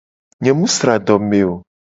Nye mu sra adome o.